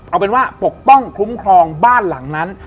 เอาเป็นว่าปกป้องคุ้มครองบ้านหลังนั้น